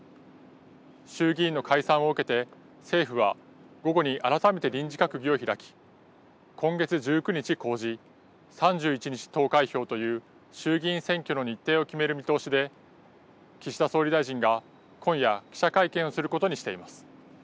衆議院の解散を受けて政府は午後に改めて臨時閣議を開き今月１９日公示、３１日投開票という衆議院選挙の日程を決める見通しで岸田総理大臣が今夜、記者会見することにしています。